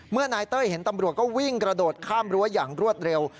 เมื่อนายเต้ยเห็นตำรวจก็วิ่งกระโดดข้ามรั้วอย่างรวดเร็ว